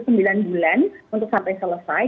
kita butuh sembilan bulan untuk sampai selesai